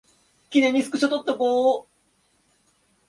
記念にスクショ撮っとこ